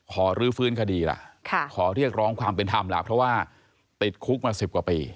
รื้อฟื้นคดีล่ะขอเรียกร้องความเป็นธรรมล่ะเพราะว่าติดคุกมา๑๐กว่าปี